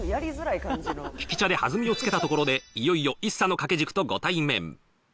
利き茶で弾みをつけたところで、いよいよ一茶の掛け軸とご対面。